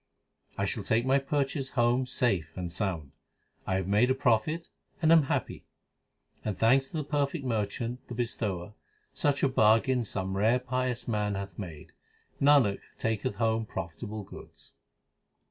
I shall take my purchase home safe and sound. I have made a profit and am happy. Thanks to the perfect merchant, the bestower, Such a bargain some rare pious man hath made. Nanak taketh home profitable goods.